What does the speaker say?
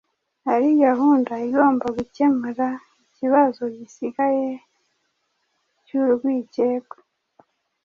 ari gahunda igomba gukemura ikibazo gisigaye cy’urwikekwe